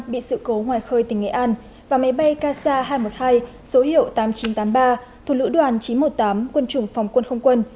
bị sự cố ngoài khơi tỉnh nghệ an và máy bay kc hai trăm một mươi hai số hiệu tám nghìn chín trăm tám mươi ba thuộc lữ đoàn chín trăm một mươi tám quân chủng phòng quân không quân